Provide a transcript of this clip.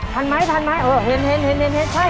ทันไหมเห็นใช่